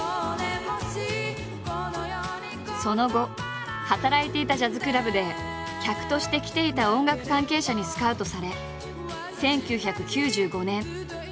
その後働いていたジャズクラブで客として来ていた音楽関係者にスカウトされ１９９５年デビューを果たす。